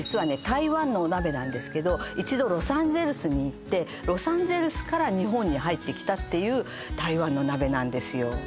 台湾のお鍋なんですけど一度ロサンゼルスに行ってロサンゼルスから日本に入ってきたっていう台湾の鍋なんですよ